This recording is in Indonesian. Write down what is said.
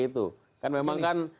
itu kan memang kan